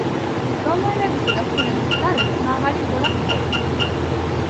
რომაელებისა და ჰუნების ძალებს მაღალი გორა ჰყოფდა.